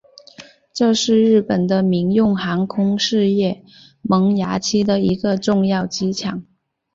这是日本的民用航空事业萌芽期的一个重要机场。